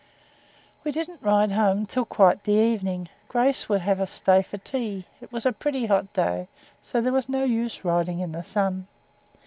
We didn't ride home till quite the evening. Grace would have us stay for tea; it was a pretty hot day, so there was no use riding in the sun.